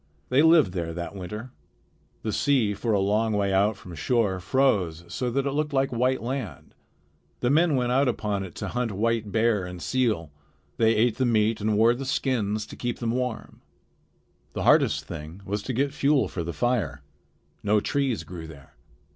They lived there that winter. The sea for a long way out from shore froze so that it looked like white land. The men went out upon it to hunt white bear and seal. They ate the meat and wore the skins to keep them warm. The hardest thing was to get fuel for the fire. No trees grew there.